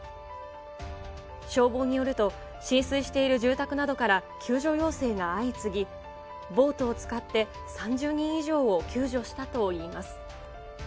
消防によると、浸水している住宅などから救助要請が相次ぎ、ボートを使って３０人以上を救助したといいます。